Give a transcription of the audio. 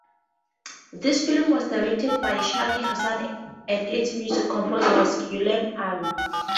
This film was directed by Shaikh Hassan and its music composer was Ghulam Ali.